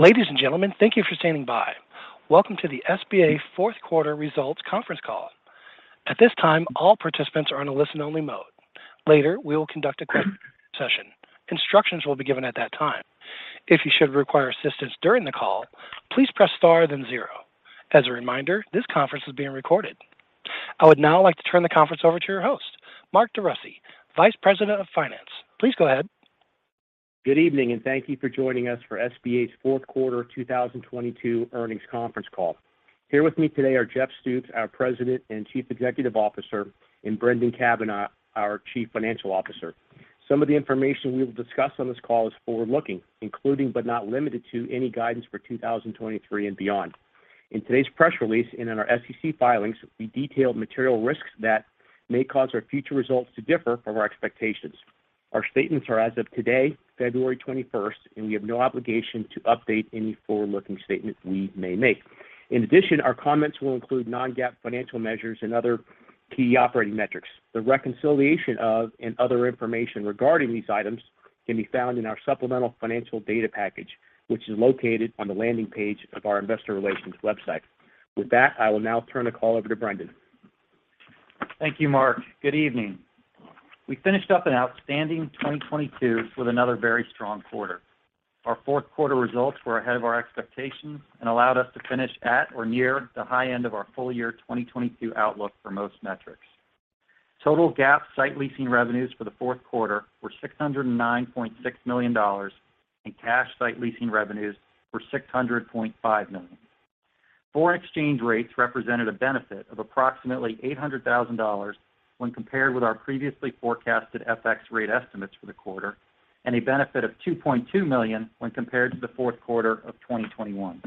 Ladies and gentlemen, thank you for standing by. Welcome to the SBA Fourth Quarter Results Conference Call. At this time, all participants are on a listen-only mode. Later, we will conduct a question session. Instructions will be given at that time. If you should require assistance during the call, please press star then zero. As a reminder, this conference is being recorded. I would now like to turn the conference over to your host, Mark DeRussy, Vice President, Finance. Please go ahead. Good evening. Thank you for joining us for SBA's fourth quarter 2022 earnings conference call. Here with me today are Jeff Stoops, our President and Chief Executive Officer, and Brendan Cavanagh, our Chief Financial Officer. Some of the information we will discuss on this call is forward-looking, including but not limited to any guidance for 2023 and beyond. In today's press release and in our SEC filings, we detailed material risks that may cause our future results to differ from our expectations. Our statements are as of today, February 21, and we have no obligation to update any forward-looking statements we may make. In addition, our comments will include non-GAAP financial measures and other key operating metrics. The reconciliation of and other information regarding these items can be found in our supplemental financial data package, which is located on the landing page of our investor relations website. With that, I will now turn the call over to Brendan. Thank you, Mark. Good evening. We finished up an outstanding 2022 with another very strong quarter. Our fourth quarter results were ahead of our expectations and allowed us to finish at or near the high end of our full year 2022 outlook for most metrics. Total GAAP site leasing revenues for the fourth quarter were $609.6 million, and cash site leasing revenues were $600.5 million. Foreign exchange rates represented a benefit of approximately $800,000 when compared with our previously forecasted FX rate estimates for the quarter, and a benefit of $2.2 million when compared to the fourth quarter of 2021.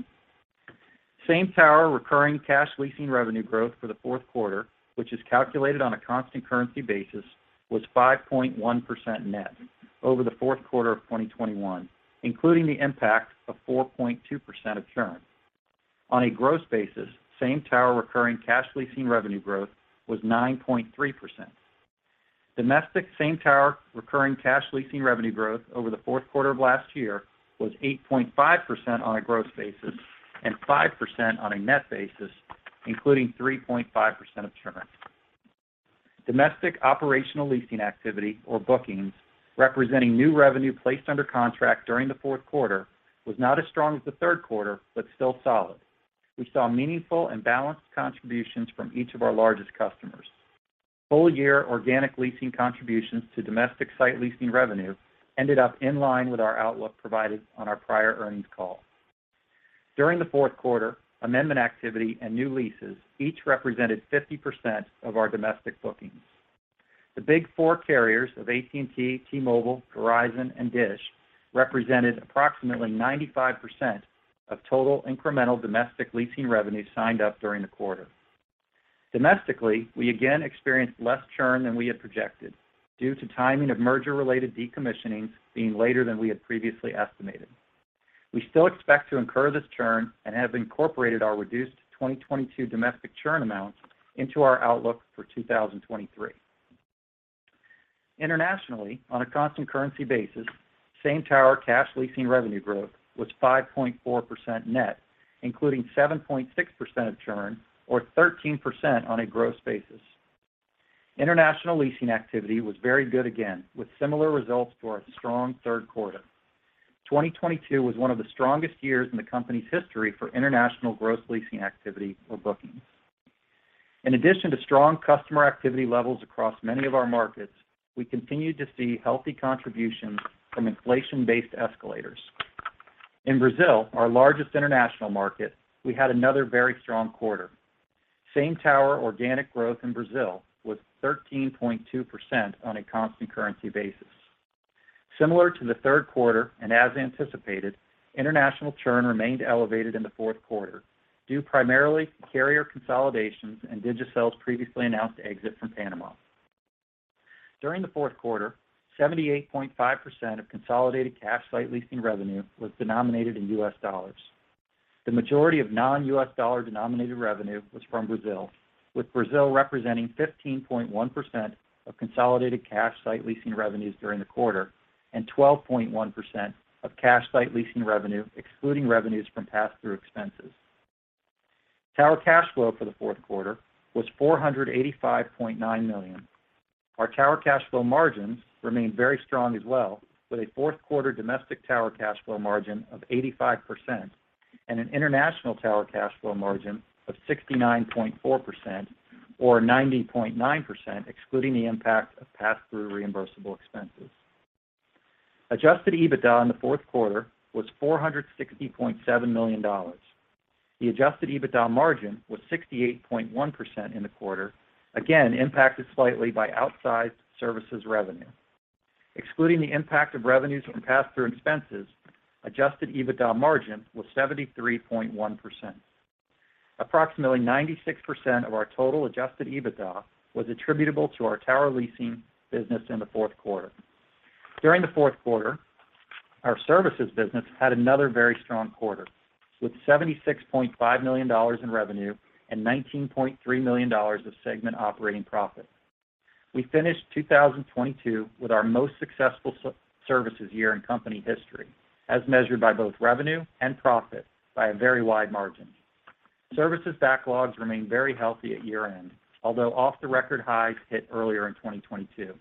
Same tower recurring cash leasing revenue growth for the fourth quarter, which is calculated on a constant currency basis, was 5.1% net over the fourth quarter of 2021, including the impact of 4.2% of churn. On a gross basis, same tower recurring cash leasing revenue growth was 9.3%. Domestic same tower recurring cash leasing revenue growth over the fourth quarter of last year was 8.5% on a gross basis and 5% on a net basis, including 3.5% of churn. Domestic operational leasing activity or bookings, representing new revenue placed under contract during the fourth quarter, was not as strong as the third quarter but still solid. We saw meaningful and balanced contributions from each of our largest customers. Full year organic leasing contributions to domestic site leasing revenue ended up in line with our outlook provided on our prior earnings call. During the fourth quarter, amendment activity and new leases each represented 50% of our domestic bookings. The big four carriers of AT&T, T-Mobile, Verizon, and Dish represented approximately 95% of total incremental domestic leasing revenue signed up during the quarter. Domestically, we again experienced less churn than we had projected due to timing of merger-related decommissioning being later than we had previously estimated. We still expect to incur this churn and have incorporated our reduced 2022 domestic churn amounts into our outlook for 2023. Internationally, on a constant currency basis, same tower cash leasing revenue growth was 5.4% net, including 7.6% of churn or 13% on a gross basis. International leasing activity was very good again, with similar results to our strong third quarter. 2022 was one of the strongest years in the company's history for international gross leasing activity or bookings. In addition to strong customer activity levels across many of our markets, we continued to see healthy contributions from inflation-based escalators. In Brazil, our largest international market, we had another very strong quarter. Same tower organic growth in Brazil was 13.2% on a constant currency basis. Similar to the third quarter and as anticipated, international churn remained elevated in the fourth quarter due primarily to carrier consolidations and Digicel's previously announced exit from Panama. During the fourth quarter, 78.5% of consolidated cash site leasing revenue was denominated in U.S. dollars. The majority of non-U.S. dollar-denominated revenue was from Brazil, with Brazil representing 15.1% of consolidated cash site leasing revenues during the quarter and 12.1% of cash site leasing revenue excluding revenues from pass-through expenses. Tower Cash Flow for the fourth quarter was $485.9 million. Our Tower Cash Flow margins remained very strong as well, with a fourth quarter domestic Tower Cash Flow margin of 85% and an international Tower Cash Flow margin of 69.4% or 90.9% excluding the impact of pass-through reimbursable expenses. Adjusted EBITDA in the fourth quarter was $460.7 million. The Adjusted EBITDA margin was 68.1% in the quarter, again impacted slightly by outsized services revenue. Excluding the impact of revenues from pass-through expenses, Adjusted EBITDA margin was 73.1%. Approximately 96% of our total Adjusted EBITDA was attributable to our tower leasing business in the fourth quarter. During the fourth quarter, our services business had another very strong quarter, with $76.5 million in revenue and $19.3 million of segment operating profit. We finished 2022 with our most successful services year in company history, as measured by both revenue and profit by a very wide margin. Services backlogs remain very healthy at year-end, although off the record highs hit earlier in 2022.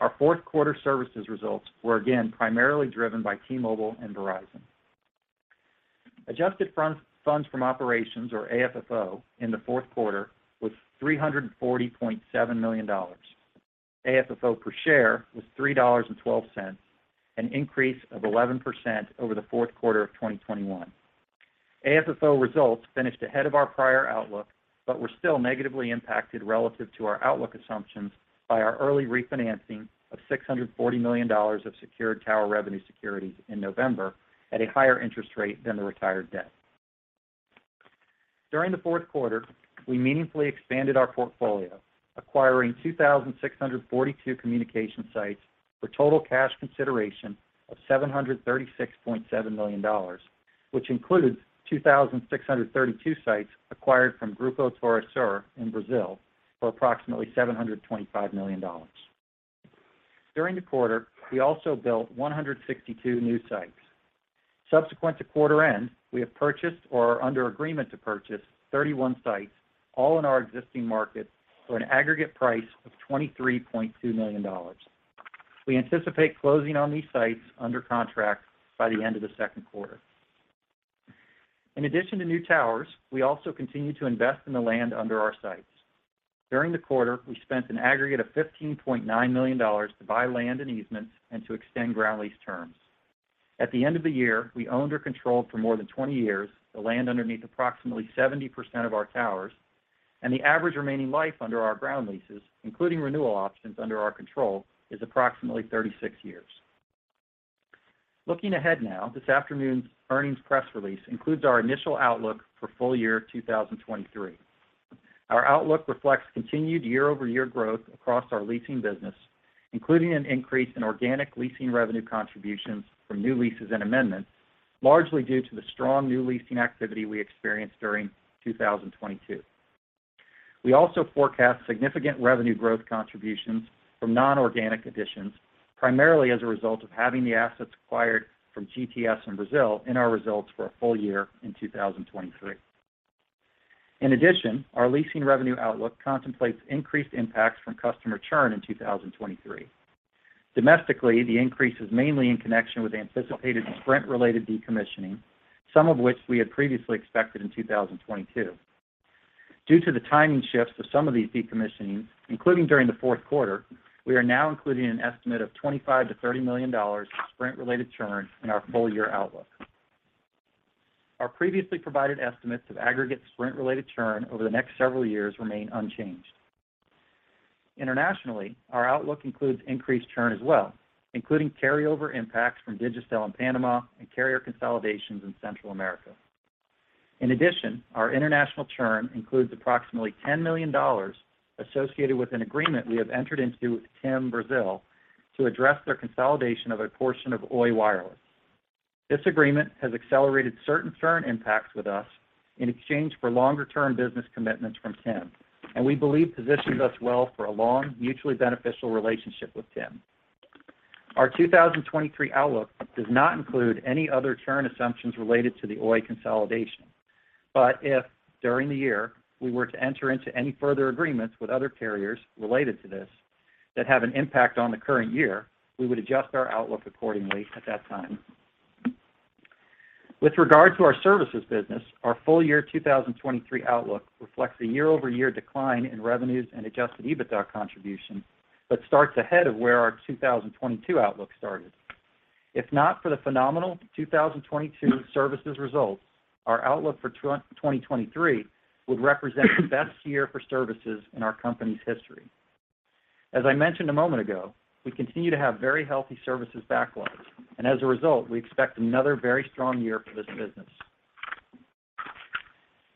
Our fourth quarter services results were again primarily driven by T-Mobile and Verizon. Adjusted funds from operations or AFFO in the fourth quarter was $340.7 million. AFFO per share was $3.12, an increase of 11% over the fourth quarter of 2021. AFFO results finished ahead of our prior outlook, but were still negatively impacted relative to our outlook assumptions by our early refinancing of $640 million of secured tower revenue securities in November at a higher interest rate than the retired debt. During the fourth quarter, we meaningfully expanded our portfolio, acquiring 2,642 communication sites for total cash consideration of $736.7 million, which includes 2,632 sites acquired from Grupo TorreSur in Brazil for approximately $725 million. During the quarter, we also built 162 new sites. Subsequent to quarter end, we have purchased or are under agreement to purchase 31 sites, all in our existing markets, for an aggregate price of $23.2 million. We anticipate closing on these sites under contract by the end of the second quarter. In addition to new towers, we also continue to invest in the land under our sites. During the quarter, we spent an aggregate of $15.9 million to buy land and easements and to extend ground lease terms. At the end of the year, we owned or controlled for more than 20 years the land underneath approximately 70% of our towers, and the average remaining life under our ground leases, including renewal options under our control, is approximately 36 years. Looking ahead now, this afternoon's earnings press release includes our initial outlook for full year 2023. Our outlook reflects continued year-over-year growth across our leasing business, including an increase in organic leasing revenue contributions from new leases and amendments, largely due to the strong new leasing activity we experienced during 2022. We also forecast significant revenue growth contributions from non-organic additions, primarily as a result of having the assets acquired from GTS in Brazil in our results for a full year in 2023. In addition, our leasing revenue outlook contemplates increased impacts from customer churn in 2023. Domestically, the increase is mainly in connection with anticipated Sprint-related decommissioning, some of which we had previously expected in 2022. Due to the timing shifts of some of these decommissioning, including during the fourth quarter, we are now including an estimate of $25 million–$30 million of Sprint-related churn in our full year outlook. Our previously provided estimates of aggregate Sprint-related churn over the next several years remain unchanged. Internationally, our outlook includes increased churn as well, including carryover impacts from Digicel in Panama and carrier consolidations in Central America. In addition, our international churn includes approximately $10 million associated with an agreement we have entered into with TIM Brasil to address their consolidation of a portion of Oi Wireless. This agreement has accelerated certain churn impacts with us in exchange for longer-term business commitments from TIM, and we believe positions us well for a long, mutually beneficial relationship with TIM. Our 2023 outlook does not include any other churn assumptions related to the Oi consolidation. If during the year we were to enter into any further agreements with other carriers related to this that have an impact on the current year, we would adjust our outlook accordingly at that time. With regard to our services business, our full year 2023 outlook reflects a year-over-year decline in revenues and Adjusted EBITDA contribution, but starts ahead of where our 2022 outlook started. If not for the phenomenal 2022 services results, our outlook for 2023 would represent the best year for services in our company's history. As I mentioned a moment ago, we continue to have very healthy services backlogs, and as a result, we expect another very strong year for this business.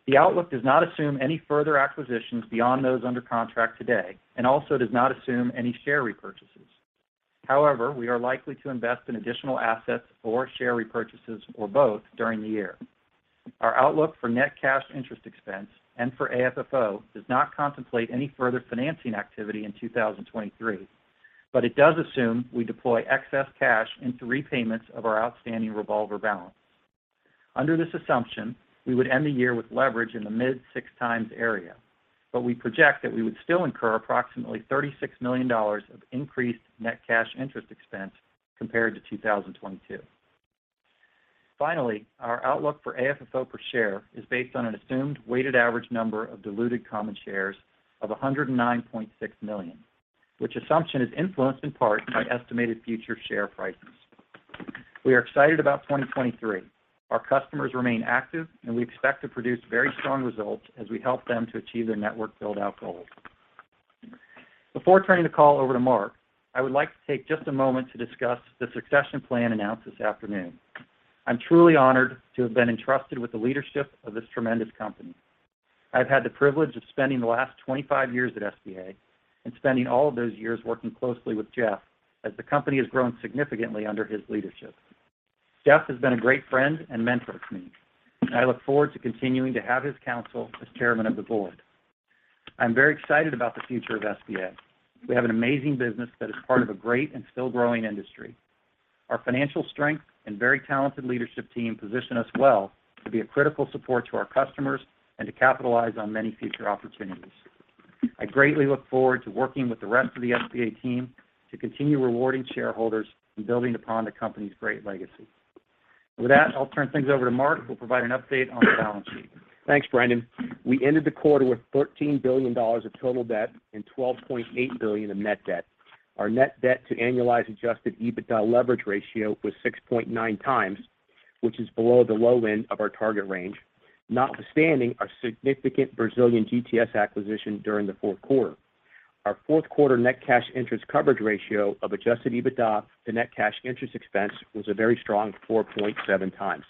The outlook does not assume any further acquisitions beyond those under contract today and also does not assume any share repurchases. However, we are likely to invest in additional assets or share repurchases or both during the year. Our outlook for net cash interest expense and for AFFO does not contemplate any further financing activity in 2023, but it does assume we deploy excess cash into repayments of our outstanding revolver balance. Under this assumption, we would end the year with leverage in the mid 6 times area, but we project that we would still incur approximately $36 million of increased net cash interest expense compared to 2022. Finally, our outlook for AFFO per share is based on an assumed weighted average number of diluted common shares of 109.6 million, which assumption is influenced in part by estimated future share prices. We are excited about 2023. Our customers remain active, and we expect to produce very strong results as we help them to achieve their network build-out goals. Before turning the call over to Mark, I would like to take just a moment to discuss the succession plan announced this afternoon. I'm truly honored to have been entrusted with the leadership of this tremendous company. I've had the privilege of spending the last 25 years at SBA and spending all of those years working closely with Jeff as the company has grown significantly under his leadership. Jeff has been a great friend and mentor to me, and I look forward to continuing to have his counsel as chairman of the board. I'm very excited about the future of SBA. We have an amazing business that is part of a great and still growing industry. Our financial strength and very talented leadership team position us well to be a critical support to our customers and to capitalize on many future opportunities. I greatly look forward to working with the rest of the SBA team to continue rewarding shareholders and building upon the company's great legacy. With that, I'll turn things over to Mark, who will provide an update on the balance sheet. Thanks, Brendan. We ended the quarter with $13 billion of total debt and $12.8 billion of net debt. Our net debt to annualized Adjusted EBITDA leverage ratio was 6.9 times, which is below the low end of our target range, notwithstanding our significant Brazilian GTS acquisition during the fourth quarter. Our fourth quarter net cash interest coverage ratio of Adjusted EBITDA to net cash interest expense was a very strong 4.7 times.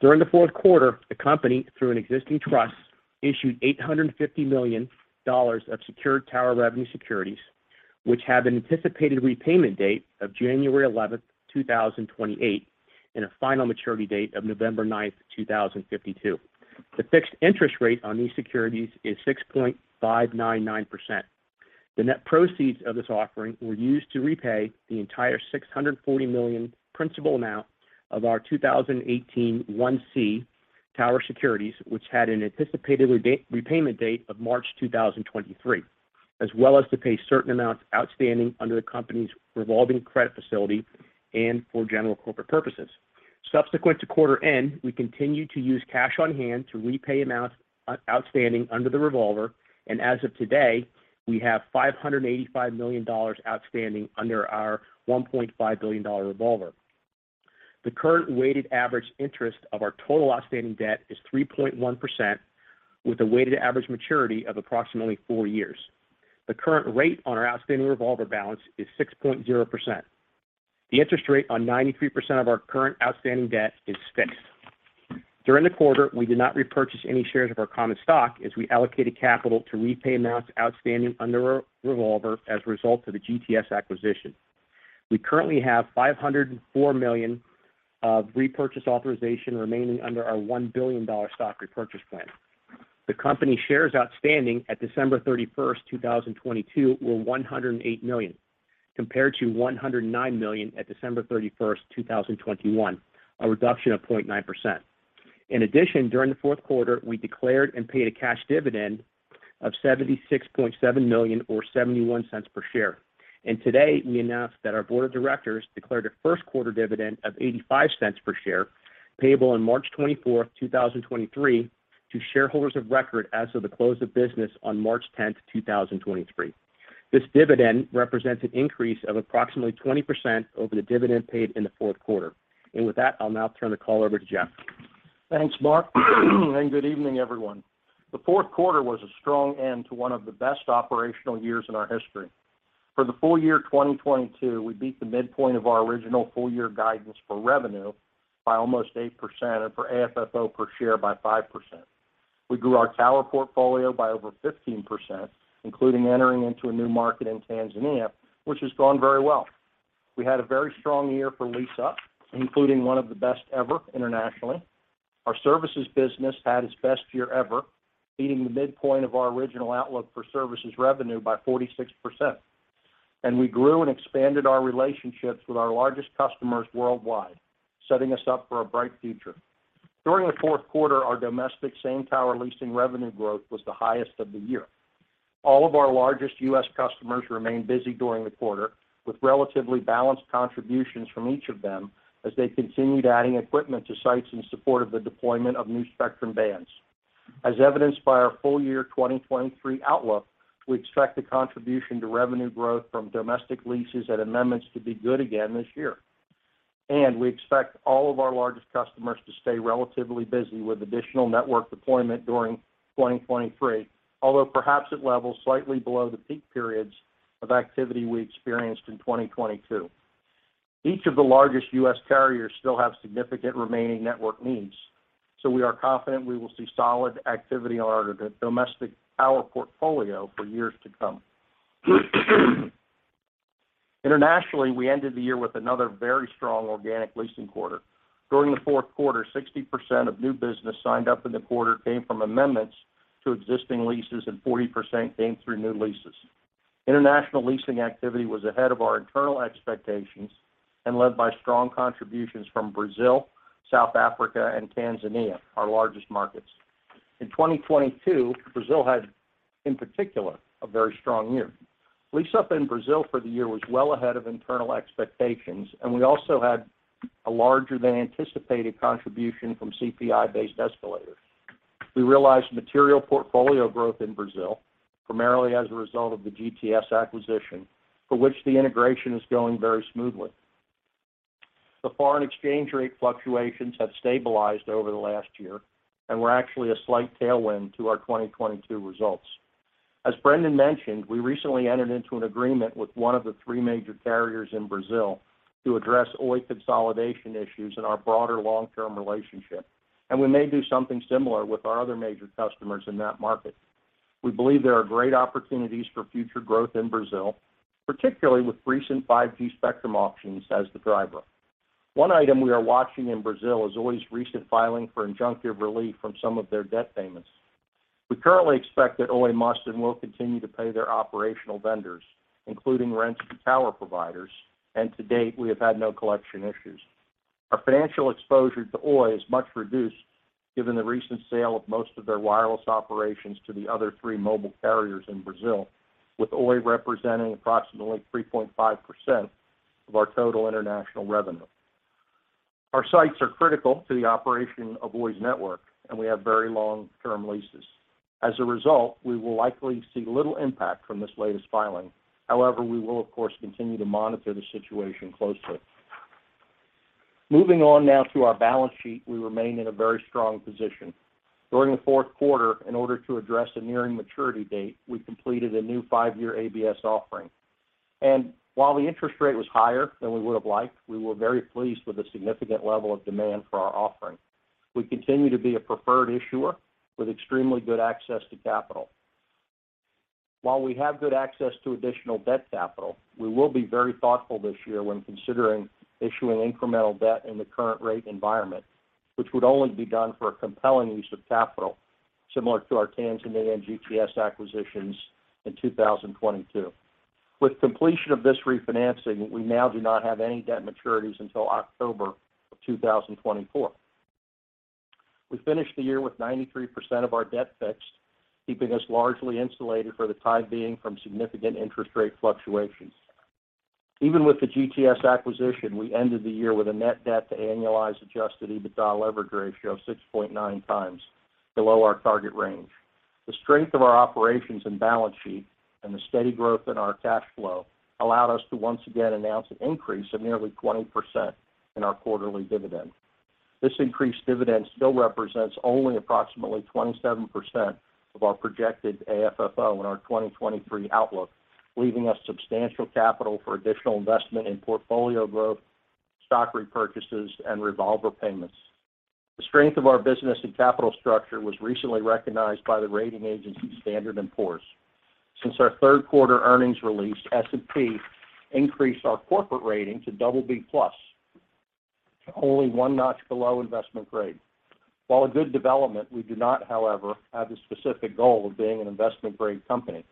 During the fourth quarter, the company, through an existing trust, issued $850 million of Secured Tower Revenue Securities, which have an anticipated repayment date of January 11, 2028, and a final maturity date of November 9, 2052. The fixed interest rate on these securities is 6.599%. The net proceeds of this offering were used to repay the entire $640 million principal amount of our 2018-1C Tower Securities, which had an anticipated repayment date of March 2023, as well as to pay certain amounts outstanding under the company's revolving credit facility and for general corporate purposes. Subsequent to quarter end, we continued to use cash on hand to repay amounts outstanding under the revolver. As of today, we have $585 million outstanding under our $1.5 billion revolver. The current weighted average interest of our total outstanding debt is 3.1% with a weighted average maturity of approximately four years. The current rate on our outstanding revolver balance is 6.0%. The interest rate on 93% of our current outstanding debt is fixed. During the quarter, we did not repurchase any shares of our common stock as we allocated capital to repay amounts outstanding under our revolver as a result of the GTS acquisition. We currently have $504 million of repurchase authorization remaining under our $1 billion stock repurchase plan. The company shares outstanding at December 31, 2022, were 108 million compared to 109 million at December 31, 2021, a reduction of 0.9%. In addition, during the fourth quarter, we declared and paid a cash dividend of $76.7 million or $0.71 per share. Today, we announced that our board of directors declared a first quarter dividend of $0.85 per share payable on March 24, 2023, to shareholders of record as of the close of business on March 10, 2023. This dividend represents an increase of approximately 20% over the dividend paid in the fourth quarter. With that, I'll now turn the call over to Jeff. Thanks, Mark. Good evening, everyone. The fourth quarter was a strong end to one of the best operational years in our history. For the full year 2022, we beat the midpoint of our original full year guidance for revenue by almost 8% and for AFFO per share by 5%. We grew our tower portfolio by over 15%, including entering into a new market in Tanzania, which has gone very well. We had a very strong year for lease-up, including one of the best ever internationally. Our services business had its best year ever, beating the midpoint of our original outlook for services revenue by 46%. We grew and expanded our relationships with our largest customers worldwide, setting us up for a bright future. During the fourth quarter, our domestic same tower leasing revenue growth was the highest of the year. All of our largest U.S. customers remained busy during the quarter with relatively balanced contributions from each of them as they continued adding equipment to sites in support of the deployment of new spectrum bands. As evidenced by our full year 2023 outlook, we expect the contribution to revenue growth from domestic leases and amendments to be good again this year. We expect all of our largest customers to stay relatively busy with additional network deployment during 2023, although perhaps at levels slightly below the peak periods of activity we experienced in 2022. Each of the largest U.S. carriers still have significant remaining network needs, so we are confident we will see solid activity on our domestic tower portfolio for years to come. Internationally, we ended the year with another very strong organic leasing quarter. During the fourth quarter, 60% of new business signed up in the quarter came from amendments to existing leases and 40% came through new leases. International leasing activity was ahead of our internal expectations and led by strong contributions from Brazil, South Africa, and Tanzania, our largest markets. In 2022, Brazil had, in particular, a very strong year. Lease-up in Brazil for the year was well ahead of internal expectations, and we also had a larger than anticipated contribution from CPI-based escalators. We realized material portfolio growth in Brazil, primarily as a result of the GTS acquisition, for which the integration is going very smoothly. The foreign exchange rate fluctuations have stabilized over the last year and were actually a slight tailwind to our 2022 results. As Brendan mentioned, we recently entered into an agreement with one of the three major carriers in Brazil to address Oi consolidation issues in our broader long-term relationship, we may do something similar with our other major customers in that market. We believe there are great opportunities for future growth in Brazil, particularly with recent 5G spectrum auctions as the driver. One item we are watching in Brazil is Oi's recent filing for injunctive relief from some of their debt payments. We currently expect that Oi must and will continue to pay their operational vendors, including rents to tower providers, to date, we have had no collection issues. Our financial exposure to Oi is much reduced given the recent sale of most of their wireless operations to the other three mobile carriers in Brazil, with Oi representing approximately 3.5% of our total international revenue. Our sites are critical to the operation of Oi's network, and we have very long-term leases. As a result, we will likely see little impact from this latest filing. However, we will, of course, continue to monitor the situation closely. Moving on now to our balance sheet, we remain in a very strong position. During the fourth quarter, in order to address a nearing maturity date, we completed a new 5-year ABS offering. While the interest rate was higher than we would have liked, we were very pleased with the significant level of demand for our offering. We continue to be a preferred issuer with extremely good access to capital. While we have good access to additional debt capital, we will be very thoughtful this year when considering issuing incremental debt in the current rate environment, which would only be done for a compelling use of capital similar to our Tanzania and GTS acquisitions in 2022. With completion of this refinancing, we now do not have any debt maturities until October of 2024. We finished the year with 93% of our debt fixed, keeping us largely insulated for the time being from significant interest rate fluctuations. Even with the GTS acquisition, we ended the year with a net debt to annualized Adjusted EBITDA leverage ratio of 6.9x below our target range. The strength of our operations and balance sheet and the steady growth in our cash flow allowed us to once again announce an increase of nearly 20% in our quarterly dividend. This increased dividend still represents only approximately 27% of our projected AFFO in our 2023 outlook, leaving us substantial capital for additional investment in portfolio growth, stock repurchases, and revolver payments. The strength of our business and capital structure was recently recognized by the rating agency Standard & Poor's. Since our third quarter earnings release, S&P increased our corporate rating to BB+, only one notch below investment grade. While a good development, we do not, however, have the specific goal of being an investment-grade company.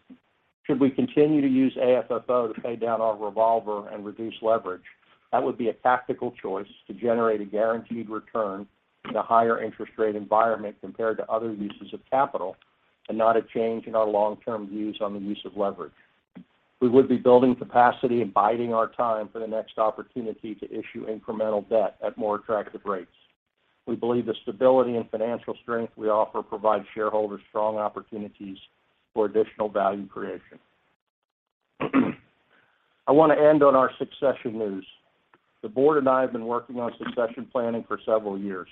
Should we continue to use AFFO to pay down our revolver and reduce leverage, that would be a tactical choice to generate a guaranteed return in a higher interest rate environment compared to other uses of capital and not a change in our long-term views on the use of leverage. We would be building capacity and biding our time for the next opportunity to issue incremental debt at more attractive rates. We believe the stability and financial strength we offer provide shareholders strong opportunities for additional value creation. I want to end on our succession news. The board and I have been working on succession planning for several years.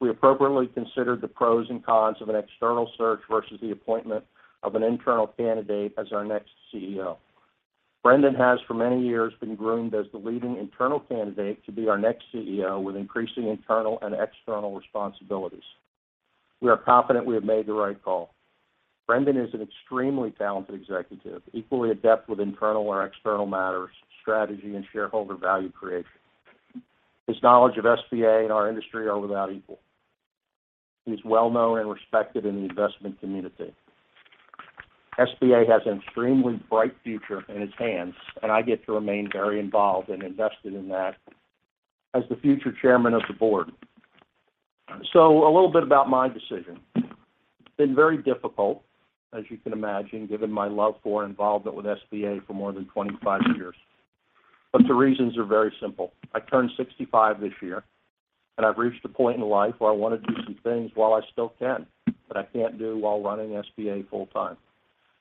We appropriately considered the pros and cons of an external search versus the appointment of an internal candidate as our next CEO. Brendan has for many years been groomed as the leading internal candidate to be our next CEO with increasing internal and external responsibilities. We are confident we have made the right call. Brendan is an extremely talented executive, equally adept with internal or external matters, strategy and shareholder value creation. His knowledge of SBA and our industry are without equal. He is well-known and respected in the investment community. SBA has an extremely bright future in its hands, and I get to remain very involved and invested in that as the future chairman of the board. A little bit about my decision. It's been very difficult, as you can imagine, given my love for involvement with SBA for more than 25 years. The reasons are very simple. I turned 65 this year, and I've reached a point in life where I want to do some things while I still can that I can't do while running SBA full-time.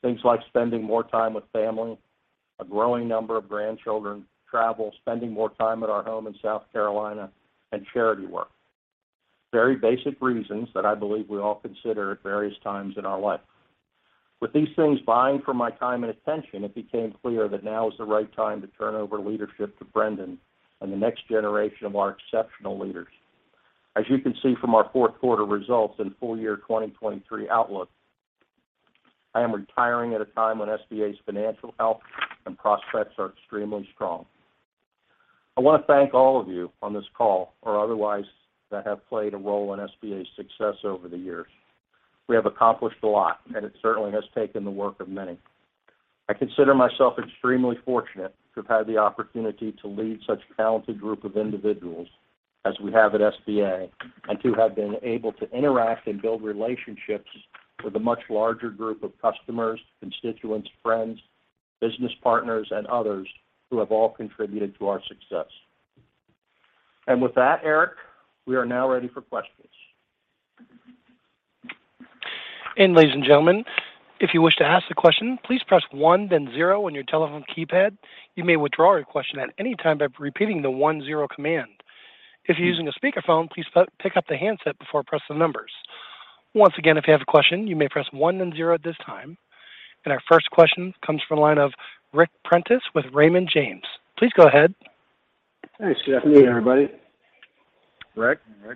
Things like spending more time with family, a growing number of grandchildren, travel, spending more time at our home in South Carolina, and charity work. Very basic reasons that I believe we all consider at various times in our life. With these things vying for my time and attention, it became clear that now is the right time to turn over leadership to Brendan and the next generation of our exceptional leaders. As you can see from our fourth quarter results and full year 2023 outlook, I am retiring at a time when SBA's financial health and prospects are extremely strong. I want to thank all of you on this call or otherwise that have played a role in SBA's success over the years. We have accomplished a lot, and it certainly has taken the work of many. I consider myself extremely fortunate to have had the opportunity to lead such a talented group of individuals as we have at SBA and to have been able to interact and build relationships with a much larger group of customers, constituents, friends, business partners, and others who have all contributed to our success. With that, Eric, we are now ready for questions. Ladies and gentlemen, if you wish to ask the question, please press 1 then 0 on your telephone keypad. You may withdraw your question at any time by repeating the 1 0 command. If you're using a speakerphone, please pick up the handset before pressing the numbers. Once again, if you have a question, you may press 1 then 0 at this time. Our first question comes from the line of Ric Prentiss with Raymond James. Please go ahead. Thanks. Good afternoon, everybody. Ric. Hey.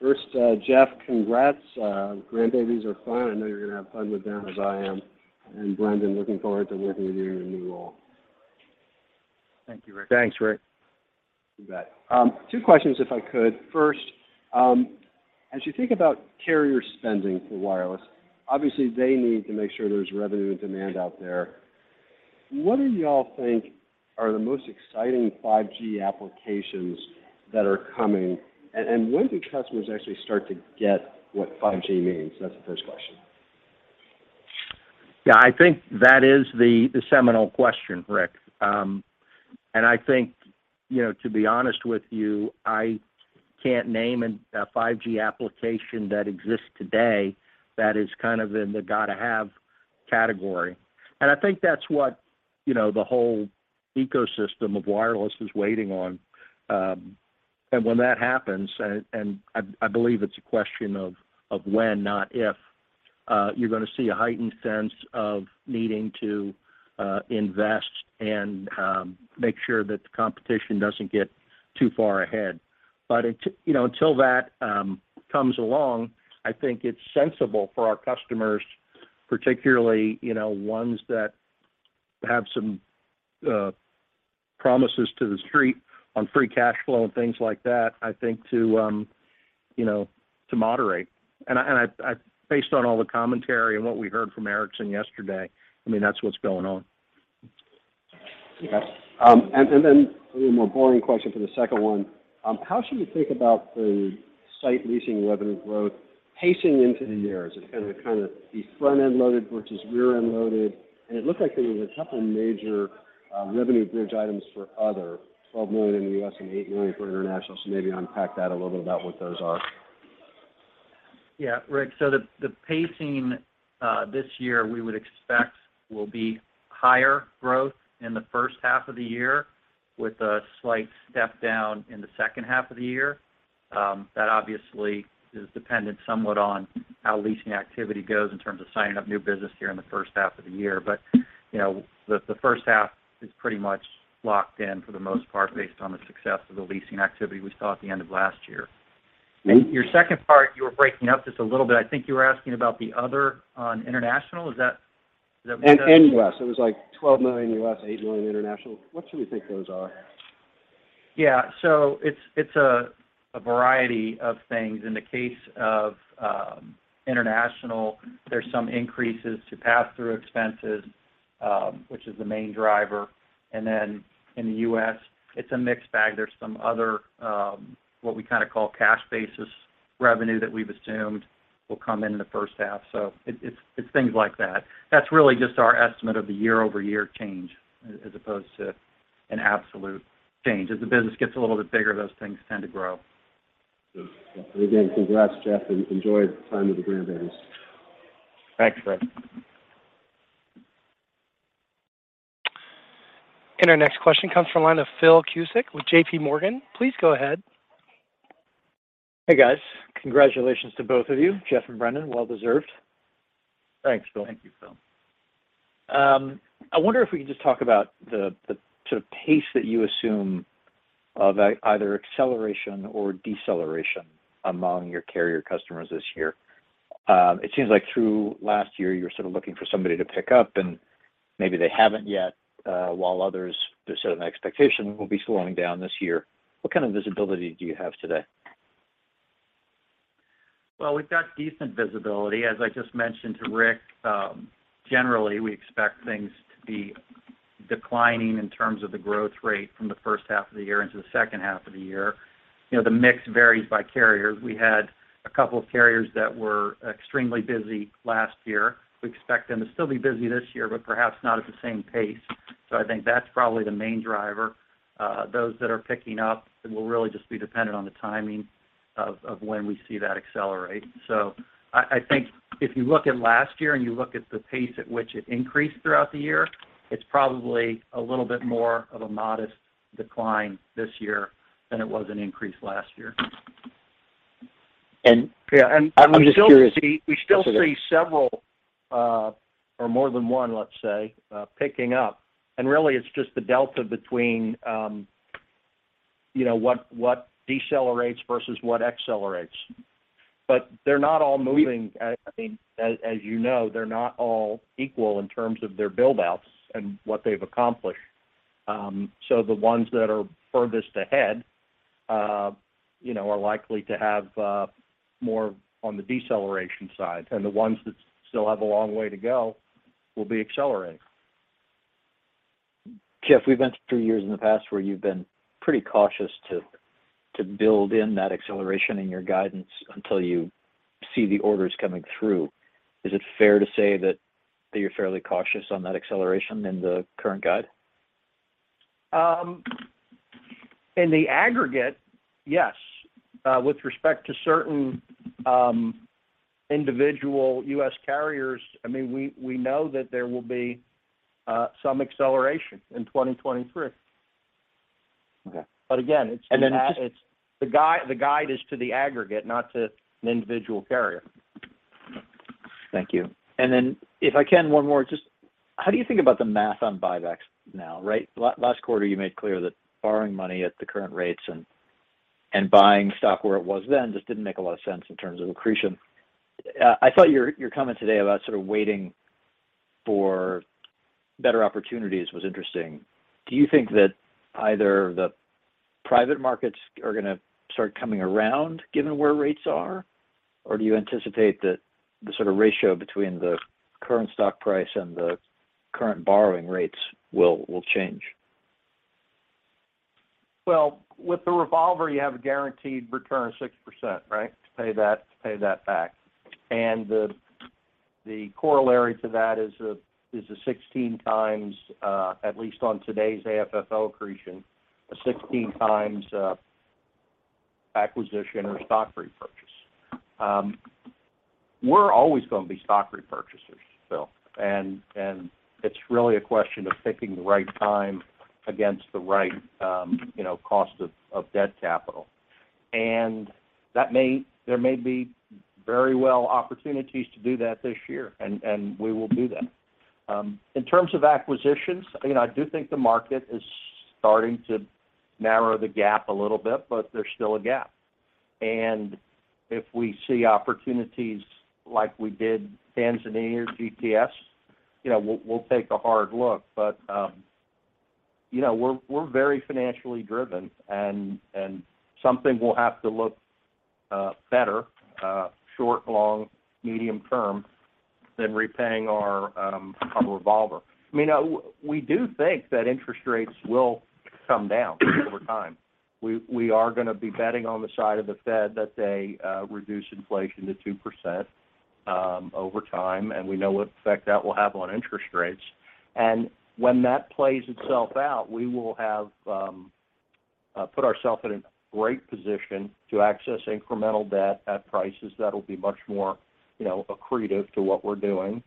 First, Jeff, congrats. Grandbabies are fun. I know you're going to have fun with them as I am. Brendan, looking forward to working with you in your new role. Thank you, Ric. Thanks, Ric. You bet. Two questions if I could. First, as you think about carrier spending for wireless, obviously they need to make sure there's revenue and demand out there. What do y'all think are the most exciting 5G applications that are coming, and when do customers actually start to get what 5G means? That's the first question. Yeah, I think that is the seminal question, Ric. I think, you know, to be honest with you, I can't name a 5G application that exists today that is kind of in the gotta have category. I think that's what, you know, the whole ecosystem of wireless is waiting on. When that happens, and I believe it's a question of when, not if, you're going to see a heightened sense of needing to invest and make sure that the competition doesn't get too far ahead. You know, until that comes along, I think it's sensible for our customers, particularly, you know, ones that have some promises to the street on free cash flow and things like that, I think to, you know, to moderate. Based on all the commentary and what we heard from Ericsson yesterday, I mean, that's what's going on. Okay. A little more boring question for the second one. How should we think about the site leasing revenue growth pacing into the year? Is it going to kind of be front-end loaded versus rear-end loaded? It looked like there was a couple of major revenue bridge items for other, $12 million in the U.S. and $8 million for international. Maybe unpack that a little bit about what those are. Ric, the pacing this year, we would expect will be higher growth in the first half of the year with a slight step down in the second half of the year. That obviously is dependent somewhat on how leasing activity goes in terms of signing up new business here in the first half of the year. You know, the first half is pretty much locked in for the most part based on the success of the leasing activity we saw at the end of last year. Thank you. Your second part, you were breaking up just a little bit. I think you were asking about the other on international. Is that what that is? U.S. It was, like, $12 million U.S., $8 million international. What should we think those are? It's a variety of things. In the case of international, there's some increases to pass-through expenses, which is the main In the U.S., it's a mixed bag. There's some other what we kind of call cash-basis revenue that we've assumed will come in in the first half. It's things like that. That's really just our estimate of the year-over-year change as opposed to an absolute change. As the business gets a little bit bigger, those things tend to grow. Again, congrats, Jeff, and enjoy the time with the grandbabies. Thanks, Ric. Our next question comes from line of Philip Cusick with JPMorgan. Please go ahead. Hey, guys. Congratulations to both of you, Jeff and Brendan. Well deserved. Thanks, Phil. Thank you, Phil. I wonder if we can just talk about the sort of pace that you assume of either acceleration or deceleration among your carrier customers this year. It seems like through last year, you were sort of looking for somebody to pick up, and maybe they haven't yet, while others just set an expectation will be slowing down this year. What kind of visibility do you have today? Well, we've got decent visibility. As I just mentioned to Ric, generally, we expect things to be declining in terms of the growth rate from the first half of the year into the second half of the year. You know, the mix varies by carrier. We had a couple of carriers that were extremely busy last year. We expect them to still be busy this year but perhaps not at the same pace. I think that's probably the main driver. Those that are picking up will really just be dependent on the timing of when we see that accelerate. I think if you look at last year and you look at the pace at which it increased throughout the year, it's probably a little bit more of a modest decline this year than it was an increase last year. And- Yeah. I'm just curious. We still. Oh, sorry. We still see several, or more than one, let's say, picking up. Really, it's just the delta between, you know, what decelerates versus what accelerates. They're not all moving. I mean, as you know, they're not all equal in terms of their build-outs and what they've accomplished. The ones that are furthest ahead, you know, are likely to have, more on the deceleration side, and the ones that still have a long way to go will be accelerating. Jeff, we've been two years in the past where you've been pretty cautious to build in that acceleration in your guidance until you see the orders coming through. Is it fair to say that you're fairly cautious on that acceleration in the current guide? In the aggregate, yes. With respect to certain, individual U.S. carriers, I mean, we know that there will be some acceleration in 2023. Okay. Again, it's— And then just- The guide is to the aggregate, not to an individual carrier. Thank you. Then if I can, one more. Just how do you think about the math on buybacks now, right? Last quarter, you made clear that borrowing money at the current rates and buying stock where it was then just didn't make a lot of sense in terms of accretion. I thought your comment today about sort of waiting for better opportunities was interesting. Do you think that either the private markets are going to start coming around given where rates are, or do you anticipate that the sort of ratio between the current stock price and the current borrowing rates will change? Well, with the revolver, you have a guaranteed return of 6%, right? To pay that back. The corollary to that is a 16x, at least on today's AFFO accretion, a 16x acquisition or stock repurchase. We're always going to be stock repurchasers, Phil. It's really a question of picking the right time against the right, you know, cost of debt capital. There may be very well opportunities to do that this year, and we will do that. In terms of acquisitions, you know, I do think the market is starting to narrow the gap a little bit, but there's still a gap. If we see opportunities like we did Tanzania or GTS, you know, we'll take a hard look. You know, we're very financially driven and something will have to look better short, long, medium term than repaying our revolver. I mean, we do think that interest rates will come down over time. We are going to be betting on the side of the Fed that they reduce inflation to 2% over time, and we know what effect that will have on interest rates. When that plays itself out, we will have put ourselves in a great position to access incremental debt at prices that'll be much more, you know, accretive to what we're doing.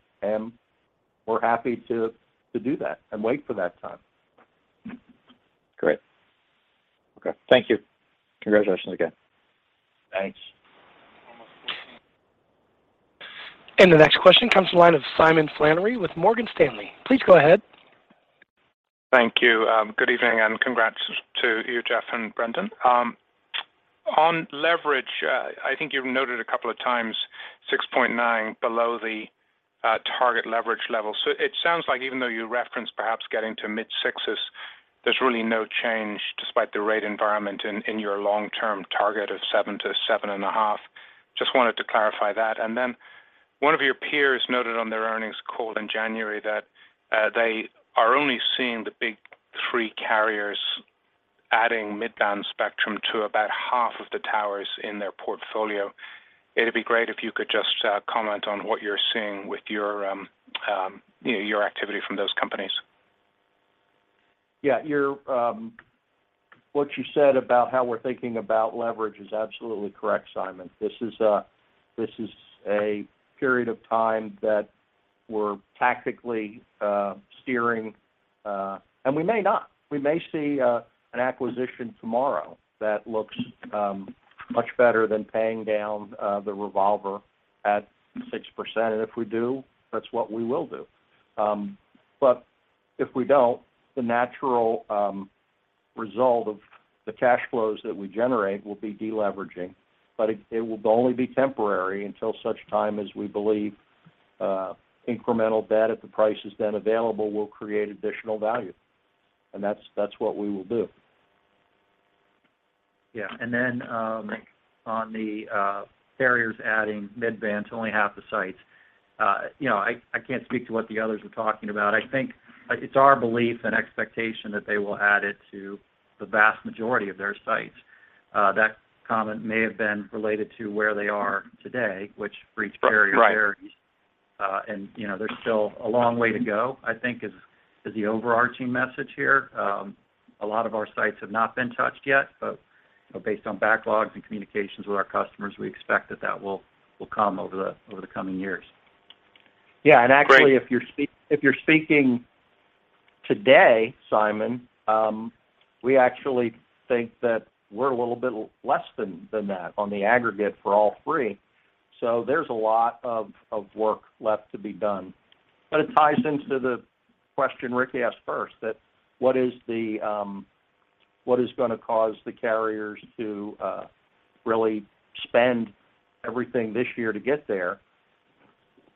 We're happy to do that and wait for that time. Great. Okay. Thank you. Congratulations again. Thanks. The next question comes from the line of Simon Flannery with Morgan Stanley. Please go ahead. Thank you. Good evening, and congrats to you, Jeff and Brendan. On leverage, I think you've noted a couple of times 6.9 below the target leverage level. It sounds like even though you referenced perhaps getting to mid-6s, there's really no change despite the rate environment in your long-term target of 7-7.5. Just wanted to clarify that. One of your peers noted on their earnings call in January that they are only seeing the big three carriers adding mid-band spectrum to about half of the towers in their portfolio. It'd be great if you could just comment on what you're seeing with your, you know, your activity from those companies. Yeah. Your what you said about how we're thinking about leverage is absolutely correct, Simon. This is a period of time that we're tactically steering. We may not. We may see an acquisition tomorrow that looks much better than paying down the revolver at 6%. If we do, that's what we will do. If we don't, the natural result of the cash flows that we generate will be deleveraging, but it will only be temporary until such time as we believe incremental debt at the prices then available will create additional value. That's what we will do. Yeah. On the carriers adding mid-band to only half the sites, you know, I can't speak to what the others are talking about. I think it's our belief and expectation that they will add it to the vast majority of their sites. That comment may have been related to where they are today, which for each carrier varies. Right. You know, there's still a long way to go, I think is the overarching message here. A lot of our sites have not been touched yet, but, you know, based on backlogs and communications with our customers, we expect that that will come over the coming years. Great. Yeah. Actually, if you're speaking today, Simon, we actually think that we're a little bit less than that on the aggregate for all three. There's a lot of work left to be done. It ties into the question Ric asked first, that what is the, what is going to cause the carriers to really spend everything this year to get there?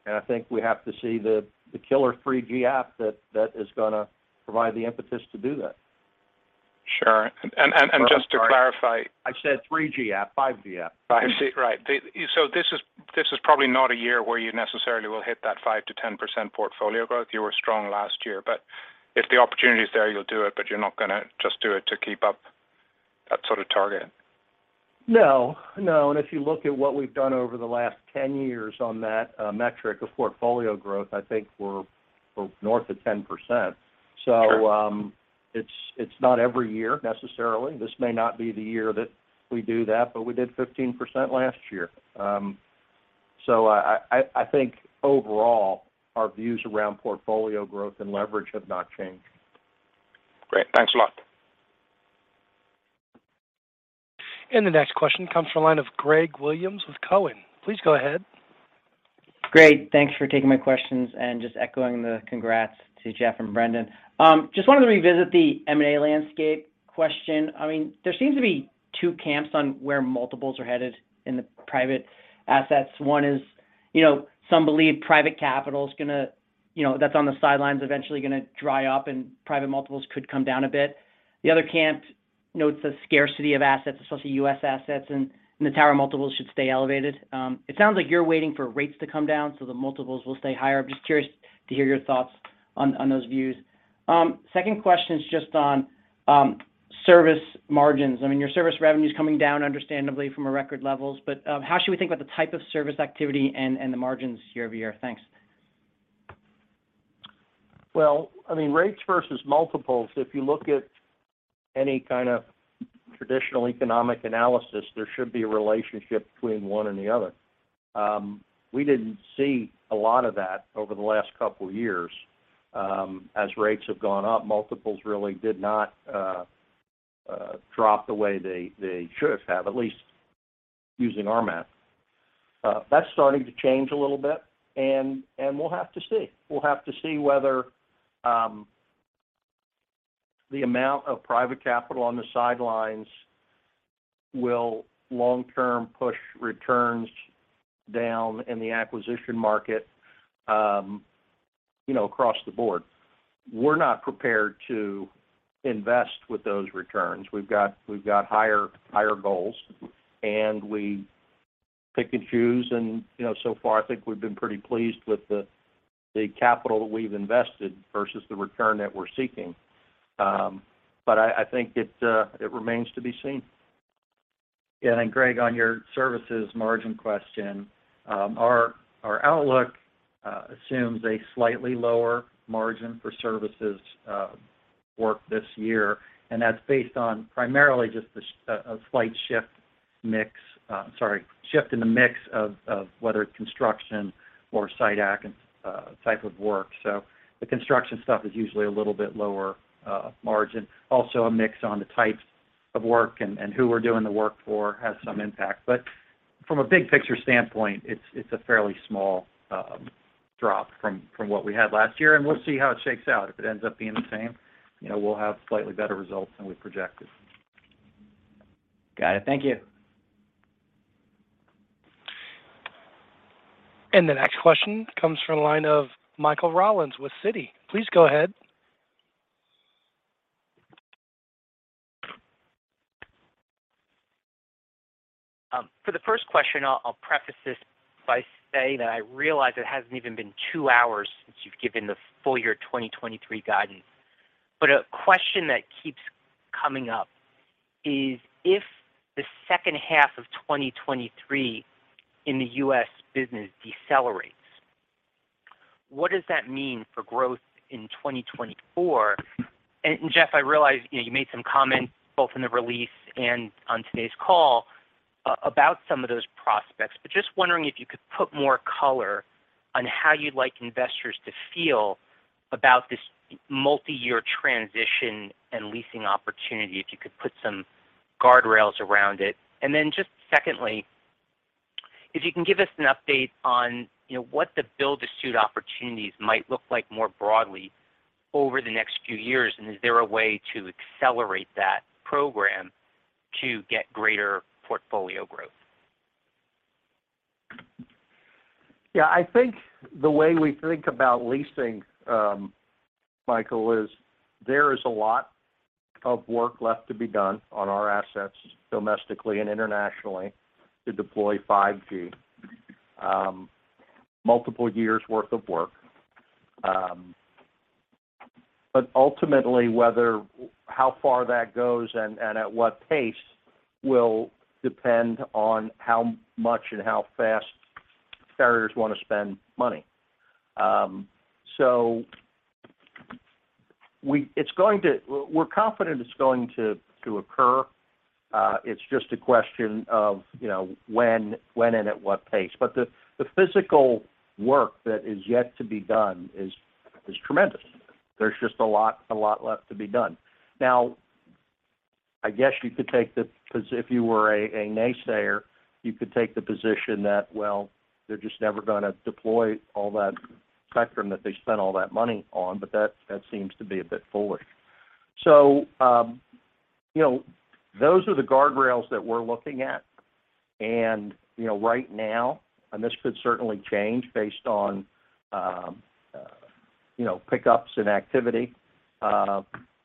I think we have to see the killer 3G app that is going to provide the impetus to do that. Sure. Just to clarify- I said 3G app, 5G app. 5G, right. This is probably not a year where you necessarily will hit that 5%-10% portfolio growth. You were strong last year, but if the opportunity is there, you'll do it, but you're not going to just do it to keep up that sort of target. No. No. If you look at what we've done over the last 10 years on that metric of portfolio growth, I think we're north of 10%. Sure. It's not every year necessarily. This may not be the year that we do that, but we did 15% last year. I think overall our views around portfolio growth and leverage have not changed. Great. Thanks a lot. The next question comes from the line of Gregory Williams with Cowen. Please go ahead. Great. Thanks for taking my questions. Just echoing the congrats to Jeff and Brendan. Just wanted to revisit the M&A landscape question. I mean, there seems to be two camps on where multiples are headed in the private assets. One is, you know, some believe private capital, you know, that's on the sidelines, eventually going to dry up and private multiples could come down a bit. The other camp notes the scarcity of assets, especially U.S. assets, and the tower multiples should stay elevated. It sounds like you're waiting for rates to come down, so the multiples will stay higher. I'm just curious to hear your thoughts on those views. Second question is just on service margins. I mean, your service revenue is coming down understandably from record levels, but how should we think about the type of service activity and the margins year-over-year? Thanks. Well, I mean, rates versus multiples, if you look at any kind of traditional economic analysis, there should be a relationship between one and the other. We didn't see a lot of that over the last couple years. As rates have gone up, multiples really did not drop the way they should have, at least using our math. That's starting to change a little bit, and we'll have to see. We'll have to see whether the amount of private capital on the sidelines will long-term push returns down in the acquisition market, you know, across the board. We're not prepared to invest with those returns. We've got higher goals, and we pick and choose. You know, so far, I think we've been pretty pleased with the capital that we've invested versus the return that we're seeking. I think it remains to be seen. Yeah. Greg, on your services margin question, our outlook assumes a slightly lower margin for services work this year, and that's based on primarily just a slight shift mix. Sorry, shift in the mix of whether it's construction or site type of work. The construction stuff is usually a little bit lower margin. Also, a mix on the types of work and who we're doing the work for has some impact. From a big picture standpoint, it's a fairly small drop from what we had last year, and we'll see how it shakes out. If it ends up being the same, you know, we'll have slightly better results than we've projected. Got it. Thank you. The next question comes from the line of Michael Rollins with Citi. Please go ahead. For the first question, I'll preface this by saying that I realize it hasn't even been 2 hours since you've given the full year 2023 guidance. A question that keeps coming up is, if the second half of 2023 in the U.S. business decelerates, what does that mean for growth in 2024? Jeff, I realize, you know, you made some comments both in the release and on today's call about some of those prospects, but just wondering if you could put more color on how you'd like investors to feel about this multiyear transition and leasing opportunity, if you could put some guardrails around it. Just secondly, if you can give us an update on, you know, what the build-to-suit opportunities might look like more broadly over the next few years, and is there a way to accelerate that program to get greater portfolio growth? Yeah. I think the way we think about leasing, Michael, is there is a lot of work left to be done on our assets domestically and internationally to deploy 5G, multiple years' worth of work. Ultimately, whether how far that goes and at what pace will depend on how much and how fast carriers want to spend money. We're confident it's going to occur. It's just a question of, you know, when and at what pace. The physical work that is yet to be done is tremendous. There's just a lot left to be done. Now, I guess you could take 'cause if you were a naysayer, you could take the position that, well, they're just never going to deploy all that spectrum that they spent all that money on, but that seems to be a bit foolish. You know, those are the guardrails that we're looking at. You know, right now, and this could certainly change based on, you know, pickups in activity,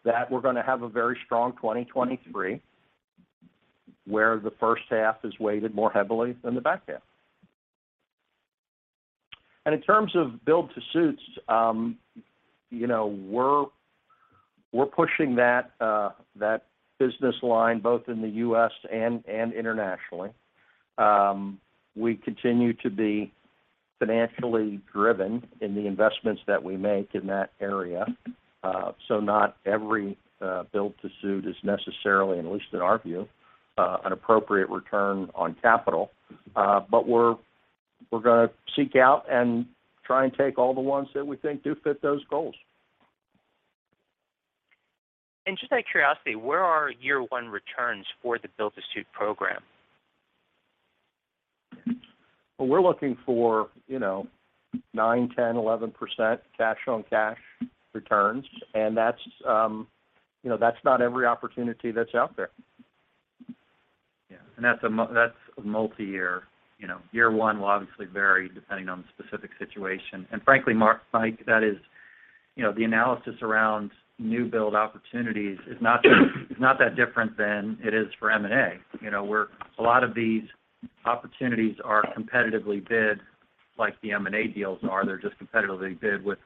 that we're going to have a very strong 2023, where the first half is weighted more heavily than the back half. In terms of year-one returns, you know, we're pushing that business line both in the U.S. and internationally. We continue to be financially driven in the investments that we make in that area. Not every build-to-suit is necessarily, at least in our view, an appropriate return on capital. We're going to seek out and try and take all the ones that we think do fit those goals. Just out of curiosity, where are year-one returns for the build-to-suit program? Well, we're looking for, you know, 9%, 10%, 11% cash-on-cash returns, and that's, you know, that's not every opportunity that's out there. That's a multiyear, you know. Year one will obviously vary depending on the specific situation. Frankly, Mike, that is, you know, the analysis around new build opportunities is not that different than it is for M&A. You know, where a lot of these opportunities are competitively bid like the M&A deals are. They're just competitively bid with,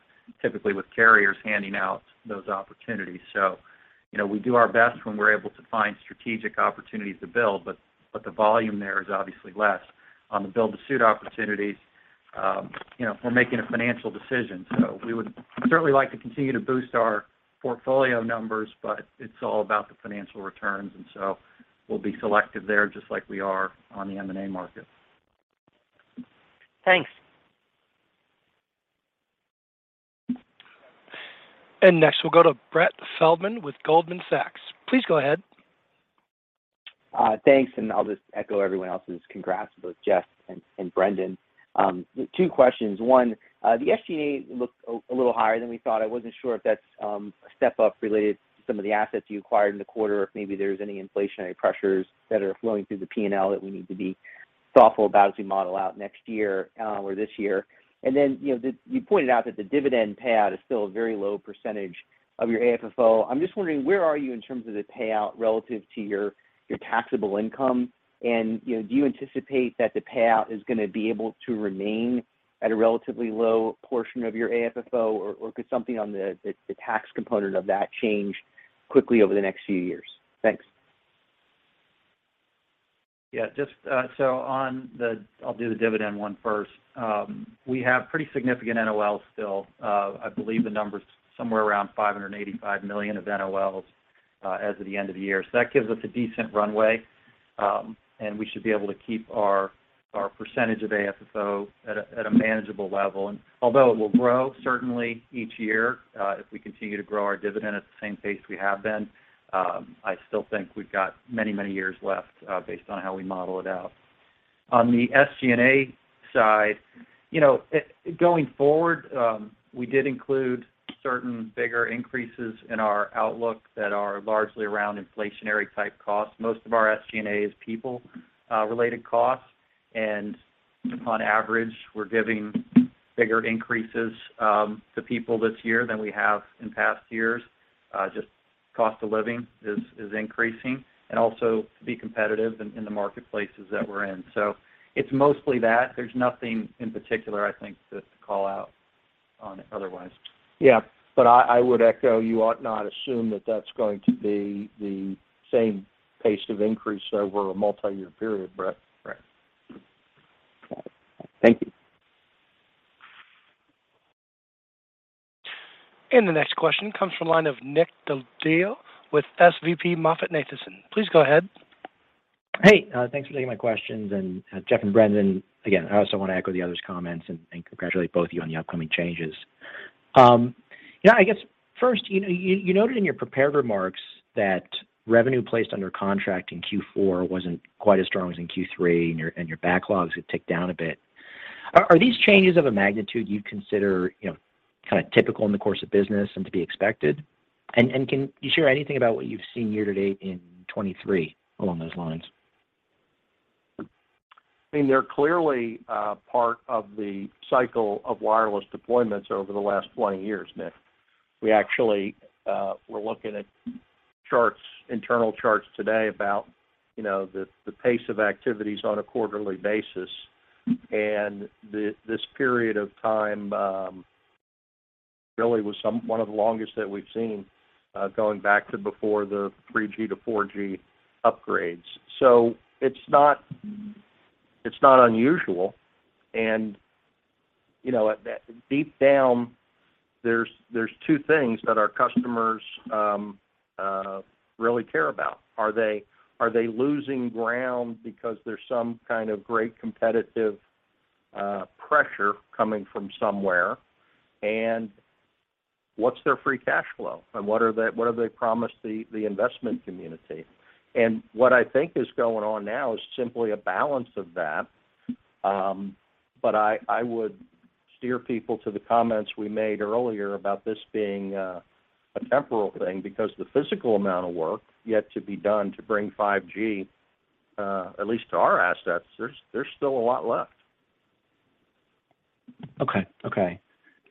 typically with carriers handing out those opportunities. You know, we do our best when we're able to find strategic opportunities to build, but the volume there is obviously less. On the build-to-suit opportunities, you know, we're making a financial decision, we would certainly like to continue to boost our portfolio numbers, but it's all about the financial returns, we'll be selective there just like we are on the M&A market. Thanks. Next, we'll go to Brett Feldman with Goldman Sachs. Please go ahead. Thanks, I'll just echo everyone else's congrats to both Jeff and Brendan. Two questions. One, the SG&A looked a little higher than we thought. I wasn't sure if that's a step up related to some of the assets you acquired in the quarter or if maybe there's any inflationary pressures that are flowing through the P&L that we need to be thoughtful about as we model out next year or this year. You know, you pointed out that the dividend payout is still a very low percentage of your AFFO. I'm just wondering, where are you in terms of the payout relative to your taxable income? You know, do you anticipate that the payout is going to be able to remain at a relatively low portion of your AFFO or could something on the tax component of that change quickly over the next few years? Thanks. I'll do the dividend one first. We have pretty significant NOLs still. I believe the number's somewhere around $585 million of NOLs as of the end of the year. That gives us a decent runway, and we should be able to keep our percentage of AFFO at a manageable level. Although it will grow certainly each year, if we continue to grow our dividend at the same pace we have been, I still think we've got many years left based on how we model it out. On the SG&A side, you know, going forward, we did include certain bigger increases in our outlook that are largely around inflationary-type costs. Most of our SG&A is people-related costs. On average, we're giving bigger increases to people this year than we have in past years, just cost of living is increasing and also to be competitive in the marketplaces that we're in. It's mostly that. There's nothing in particular, I think, to call out on it otherwise. Yeah. I would echo, you ought not assume that that's going to be the same pace of increase over a multi-year period, Brett. Right. Thank you. The next question comes from line of Nick Del Deo with SVB MoffettNathanson. Please go ahead. Hey, thanks for taking my questions. Jeff and Brendan, again, I also want to echo the others' comments and congratulate both of you on the upcoming changes. I guess first, you know, you noted in your prepared remarks that revenue placed under contract in Q4 wasn't quite as strong as in Q3, and your backlogs had ticked down a bit. Are these changes of a magnitude you'd consider, you know, kind of typical in the course of business and to be expected? Can you share anything about what you've seen year to date in 2023 along those lines? I mean, they're clearly, part of the cycle of wireless deployments over the last 20 years, Nick. We actually, were looking at charts, internal charts today about, you know, the pace of activities on a quarterly basis. This period of time, really was one of the longest that we've seen, going back to before the 3G–4G upgrades. It's not unusual. You know, at that, deep down, there's 2 things that our customers, really care about. Are they losing ground because there's some kind of great competitive, pressure coming from somewhere? What's their free cash flow? What are the, what have they promised the investment community? What I think is going on now is simply a balance of that. I would steer people to the comments we made earlier about this being a temporary thing because the physical amount of work yet to be done to bring 5G, at least to our assets, there's still a lot left. Okay. Okay.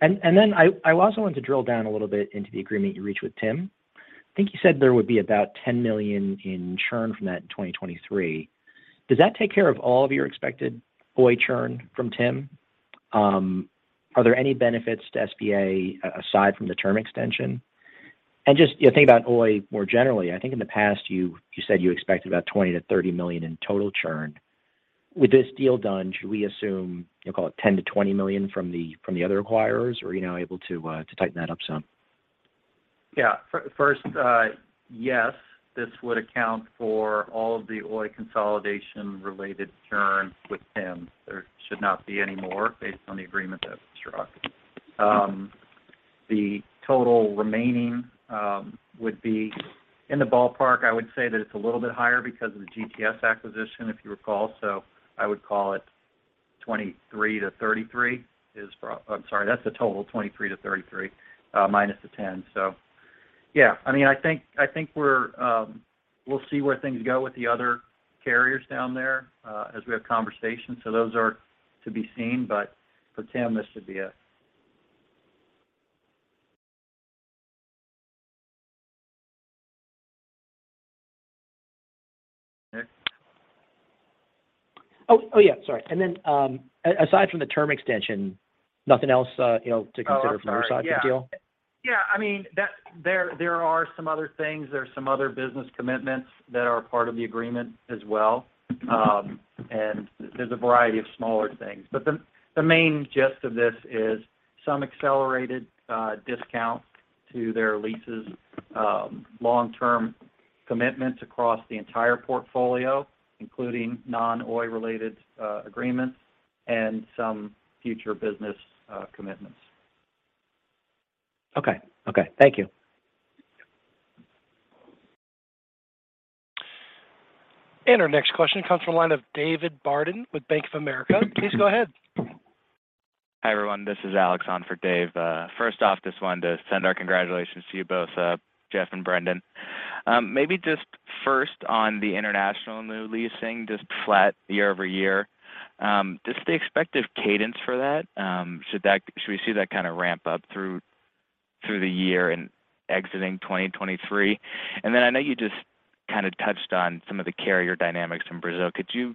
I also wanted to drill down a little bit into the agreement you reached with TIM. I think you said there would be about $10 million in churn from that in 2023. Does that take care of all of your expected Oi churn from TIM? Are there any benefits to SBA aside from the term extension? Just, you know, thinking about Oi more generally, I think in the past you said you expected about $20 million–$30 million in total churn. With this deal done, should we assume, you know, call it $10 million–$20 million from the other acquirers, or are you now able to tighten that up some? Yeah. First, yes, this would account for all of the Oi consolidation related churn with Tim. There should not be any more based on the agreement that was struck. The total remaining would be in the ballpark. I would say that it's a little bit higher because of the GTS acquisition, if you recall. I would call it 23–33. I'm sorry, that's the total, 23–33 minus 10. Yeah. I mean, I think we're, we'll see where things go with the other carriers down there as we have conversations. Those are to be seen, but for TIM, this should be it. Nick? Oh, yeah, sorry. Then, aside from the term extension, nothing else, you know, to consider... Oh, I'm sorry. Yeah. from your side of the deal? I mean, there are some other things. There are some other business commitments that are part of the agreement as well. There's a variety of smaller things. The main gist of this is some accelerated discount to their leases, long-term commitments across the entire portfolio, including non-Oi related agreements and some future business commitments. Okay. Okay. Thank you. Our next question comes from the line of David Barden with Bank of America. Please go ahead. Hi, everyone. This is Alex on for Dave. First off, just wanted to send our congratulations to you both, Jeff and Brendan. Maybe just first on the international new leasing, just flat year-over-year, just the expected cadence for that, should we see that kind of ramp up through the year and exiting 2023? Then I know you just kind of touched on some of the carrier dynamics in Brazil. Could you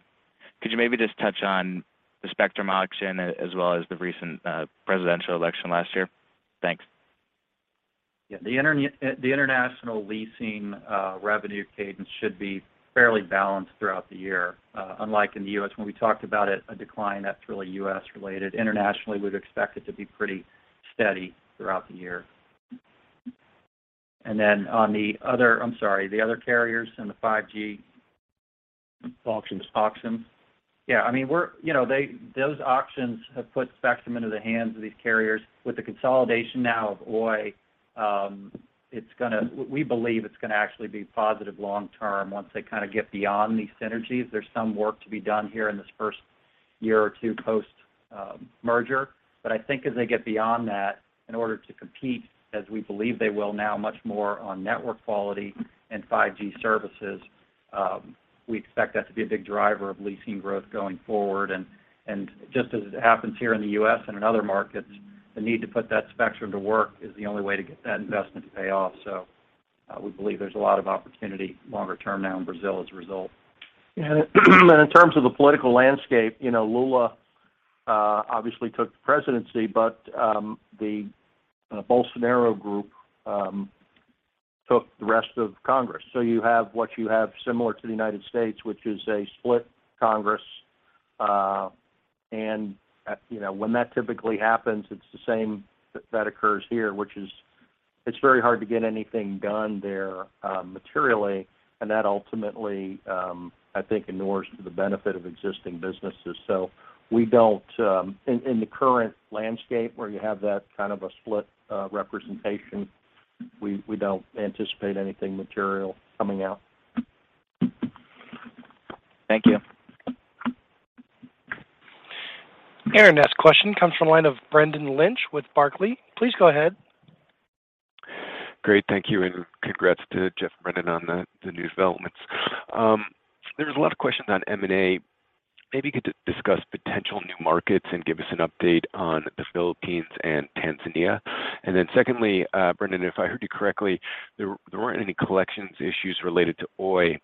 maybe just touch on the spectrum auction as well as the recent presidential election last year? Thanks. Yeah. The international leasing revenue cadence should be fairly balanced throughout the year. Unlike in the U.S., when we talked about a decline that's really U.S. related. Internationally, we'd expect it to be pretty steady throughout the year. The other carriers and the 5G. Auctions Auctions. Yeah. I mean, you know, those auctions have put spectrum into the hands of these carriers. With the consolidation now of Oi, it's going to actually be positive long term once they kind of get beyond these synergies. There's some work to be done here in this first year or two post merger. I think as they get beyond that, in order to compete as we believe they will now much more on network quality and 5G services, we expect that to be a big driver of leasing growth going forward. Just as it happens here in the U.S. and in other markets, the need to put that spectrum to work is the only way to get that investment to pay off. We believe there's a lot of opportunity longer term now in Brazil as a result. Yeah. In terms of the political landscape, you know, Lula obviously took the presidency, but the Bolsonaro group took the rest of Congress. You have what you have similar to the United States, which is a split Congress, and you know, when that typically happens, it's the same that occurs here, which is it's very hard to get anything done there materially, and that ultimately, I think inures to the benefit of existing businesses. We don't, in the current landscape where you have that kind of a split representation, we don't anticipate anything material coming out. Thank you. Our next question comes from line of Brendan Lynch with Barclays. Please go ahead. Great. Thank you, congrats to Jeff and Brendan on the new developments. There was a lot of questions on M&A. Maybe you could discuss potential new markets and give us an update on the Philippines and Tanzania? Secondly, Brendan, if I heard you correctly, there weren't any collections issues related to Oi,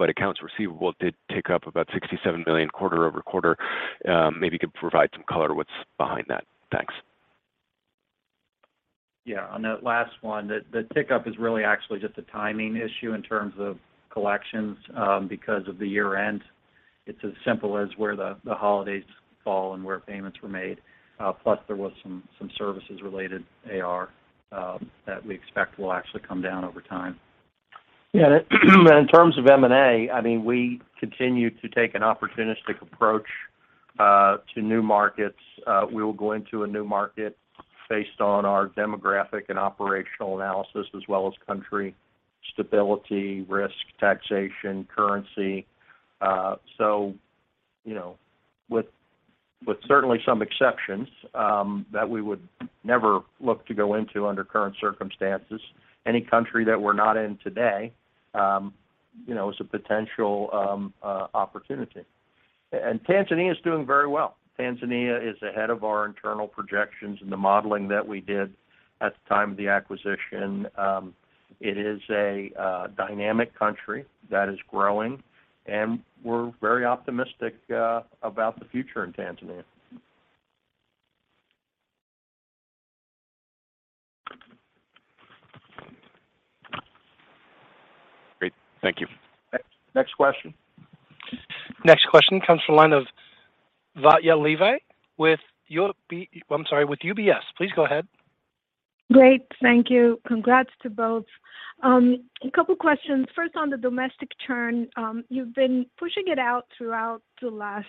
but accounts receivable did tick up about $67 million quarter-over-quarter. Maybe you could provide some color what's behind that? Thanks. Yeah. On that last one, the tick up is really actually just a timing issue in terms of collections because of the year-end. It's as simple as where the holidays fall and where payments were made. Plus there was some services related AR that we expect will actually come down over time. Yeah. In terms of M&A, I mean, we continue to take an opportunistic approach to new markets. We will go into a new market based on our demographic and operational analysis, as well as country stability, risk, taxation, currency. So, you know, with certainly some exceptions that we would never look to go into under current circumstances. Any country that we're not in today, you know, is a potential opportunity. Tanzania is doing very well. Tanzania is ahead of our internal projections and the modeling that we did at the time of the acquisition. It is a dynamic country that is growing, and we're very optimistic about the future in Tanzania. Great. Thank you. Next question. Next question comes from line of Batya Levi with, I'm sorry, with UBS. Please go ahead. Great. Thank you. Congrats to both. A couple questions. First, on the domestic churn, you've been pushing it out throughout the last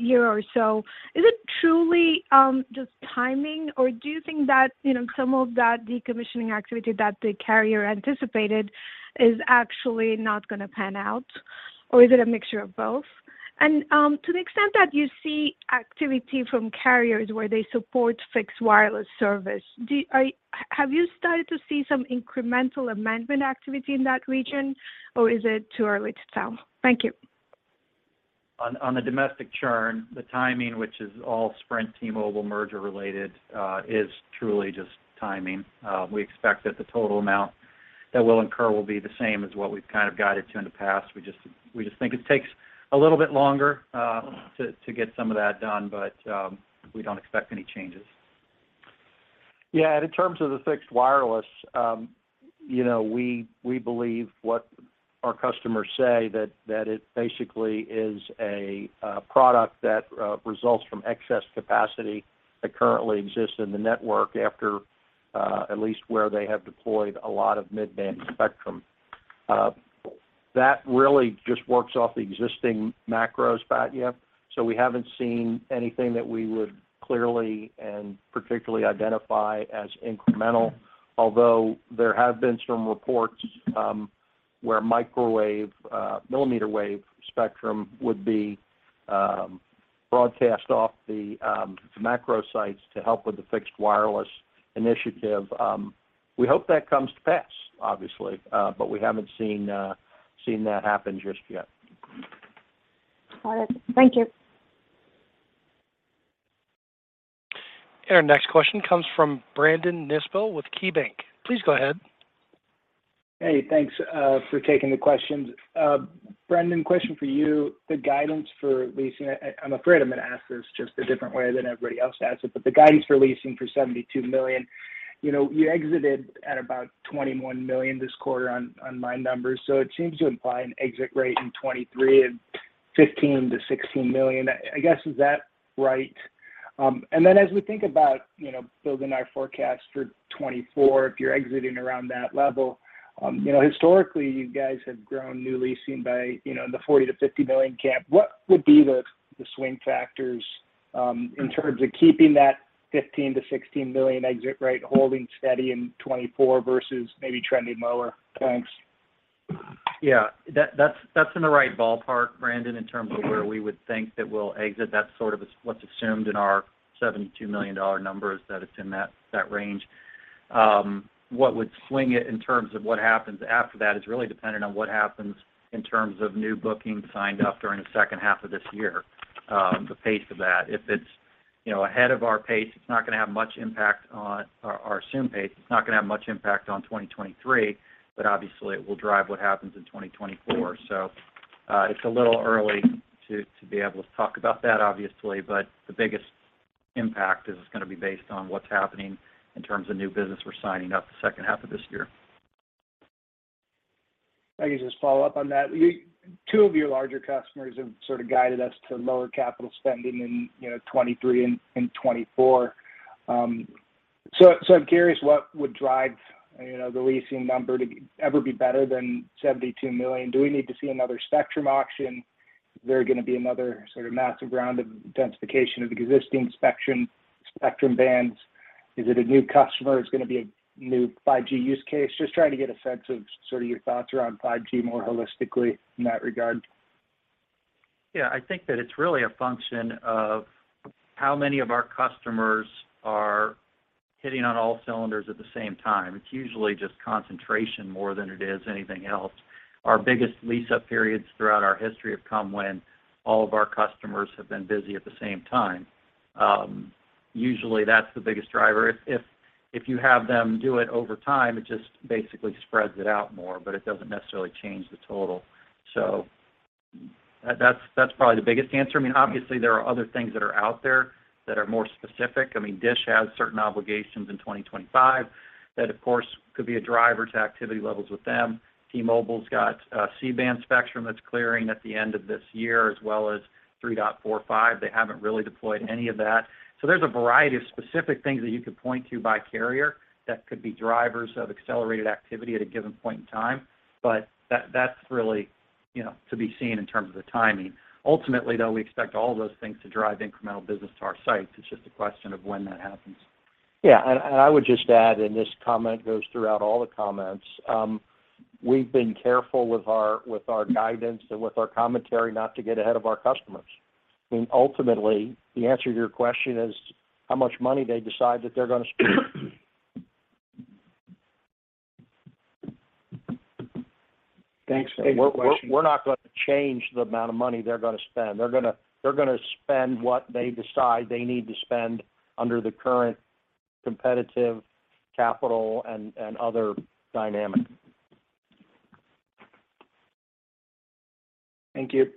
year or so. Is it truly just timing, or do you think that, you know, some of that decommissioning activity that the carrier anticipated is actually not going to pan out, or is it a mixture of both? To the extent that you see activity from carriers where they support fixed wireless service, have you started to see some incremental amendment activity in that region, or is it too early to tell? Thank you. On the domestic churn, the timing, which is all Sprint T-Mobile merger-related, is truly just timing. We expect that the total amount that will incur will be the same as what we've kind of guided to in the past. We just think it takes a little bit longer to get some of that done, but we don't expect any changes. Yeah. In terms of the fixed wireless, you know, we believe what our customers say that it basically is a product that results from excess capacity that currently exists in the network after, at least where they have deployed a lot of mid-band spectrum. That really just works off the existing macros, via, so we haven't seen anything that we would clearly and particularly identify as incremental. Although, there have been some reports, where microwave, millimeter wave spectrum would be broadcast off the macro sites to help with the fixed wireless initiative. We hope that comes to pass, obviously, but we haven't seen that happen just yet. All right. Thank you. Our next question comes from Brandon Nispel with KeyBanc. Please go ahead. Hey, thanks for taking the questions. Brendan, question for you. The guidance for leasing... I'm afraid I'm going to ask this just a different way than everybody else asked it. The guidance for leasing for $72 million, you know, you exited at about $21 million this quarter on my numbers. It seems to imply an exit rate in 2023 and $15 million–$16 million. I guess, is that right? As we think about, you know, building our forecast for 2024, if you're exiting around that level, you know, historically, you guys have grown new leasing by, you know, in the $40 million–$50 million cap. What would be the swing factors, in terms of keeping that $15 million–$16 million exit rate holding steady in 2024 versus maybe trending lower? Thanks. Yeah. That's in the right ballpark, Brandon, in terms of where we would think that we'll exit. That's sort of what's assumed in our $72 million number is that it's in that range. What would swing it in terms of what happens after that is really dependent on what happens in terms of new bookings signed up during the second half of this year, the pace of that. If it's, you know, ahead of our pace, it's not going to have much impact on our assumed pace, it's not going to have much impact on 2023, but obviously, it will drive what happens in 2024. It's a little early to be able to talk about that, obviously, but the biggest impact is going to be based on what's happening in terms of new business we're signing up the second half of this year. If I can just follow up on that. Two of your larger customers have sort of guided us to lower capital spending in, you know, 2023 and 2024. I'm curious what would drive, you know, the leasing number to ever be better than $72 million. Do we need to see another spectrum auction? Is there going to be another sort of massive round of densification of existing spectrum bands? Is it a new customer? Is it going to be a new 5G use case? Just trying to get a sense of sort of your thoughts around 5G more holistically in that regard. I think that it's really a function of how many of our customers are hitting on all cylinders at the same time. It's usually just concentration more than it is anything else. Our biggest lease-up periods throughout our history have come when all of our customers have been busy at the same time. Usually, that's the biggest driver. If you have them do it over time, it just basically spreads it out more, but it doesn't necessarily change the total. That's probably the biggest answer. I mean, obviously, there are other things that are out there that are more specific. I mean, DISH has certain obligations in 2025. That, of course, could be a driver to activity levels with them. T-Mobile's got C-band spectrum that's clearing at the end of this year, as well as 3.45. They haven't really deployed any of that. There's a variety of specific things that you could point to by carrier that could be drivers of accelerated activity at a given point in time. That's really, you know, to be seen in terms of the timing. Ultimately, though, we expect all those things to drive incremental business to our sites. It's just a question of when that happens. Yeah. I would just add, this comment goes throughout all the comments, we've been careful with our guidance and with our commentary not to get ahead of our customers. I mean, ultimately, the answer to your question is how much money they decide that they're going to spend. Thanks. We're not going to change the amount of money they're going to spend. They're going to spend what they decide they need to spend under the current competitive capital and other dynamics. Thank you.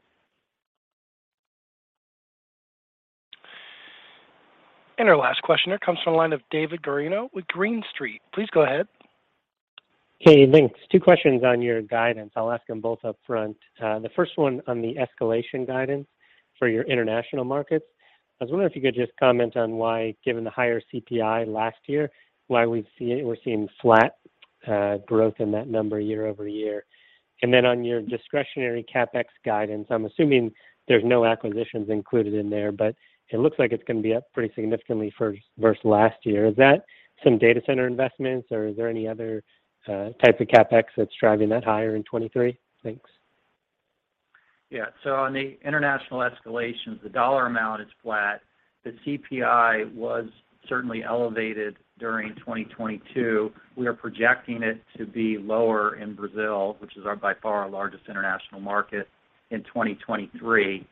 Our last questioner comes from the line of David Guarino with Green Street. Please go ahead. Okay, thanks. Two questions on your guidance. I'll ask them both up front. The first one on the escalation guidance for your international markets. I was wondering if you could just comment on why, given the higher CPI last year, why we're seeing flat growth in that number year-over-year. On your discretionary CapEx guidance, I'm assuming there's no acquisitions included in there, but it looks like it's going to be up pretty significantly versus last year. Is that some data center investments, or is there any other type of CapEx that's driving that higher in 2023? Thanks. On the international escalations, the dollar amount is flat. The CPI was certainly elevated during 2022. We are projecting it to be lower in Brazil, which is by far our largest international market in 2023.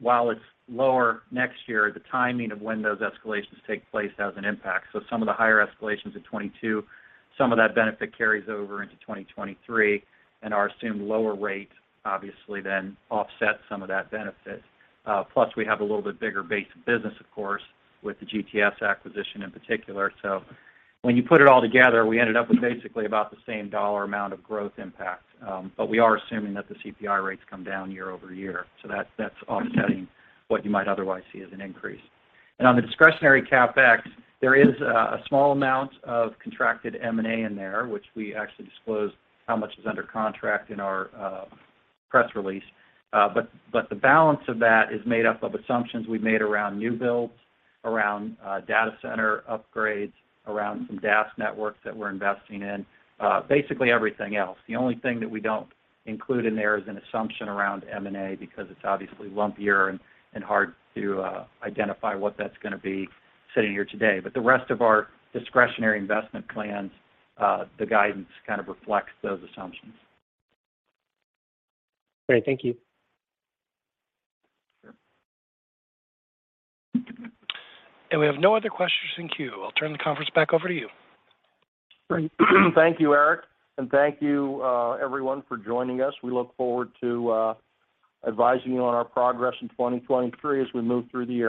While it's lower next year, the timing of when those escalations take place has an impact. Some of the higher escalations in 2022, some of that benefit carries over into 2023, and our assumed lower rate obviously then offsets some of that benefit. Plus, we have a little bit bigger base of business, of course, with the GTS acquisition in particular. When you put it all together, we ended up with basically about the same dollar amount of growth impact. We are assuming that the CPI rates come down year-over-year. That's offsetting what you might otherwise see as an increase. On the discretionary CapEx, there is a small amount of contracted M&A in there, which we actually disclose how much is under contract in our press release. The balance of that is made up of assumptions we've made around new builds, around data center upgrades, around some DAS networks that we're investing in. Basically everything else. The only thing that we don't include in there is an assumption around M&A because it's obviously lumpier and hard to identify what that's going to be sitting here today. The rest of our discretionary investment plans, the guidance kind of reflects those assumptions. Great. Thank you. Sure. We have no other questions in queue. I'll turn the conference back over to you. Great. Thank you, Eric, and thank you, everyone for joining us. We look forward to advising you on our progress in 2023 as we move through the year.